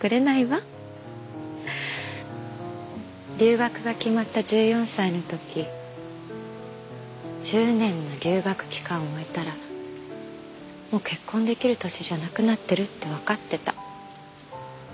留学が決まった１４歳の時１０年の留学期間を終えたらもう結婚できる年じゃなくなってるってわかってた。